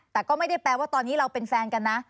แต่ก็ไม่ได้แปลว่าตอนนี้เราเป็นแฟนกันนะ